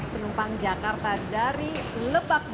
penumpang jakarta dari lebak